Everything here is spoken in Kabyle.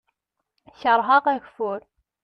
Kerheɣ ageffur.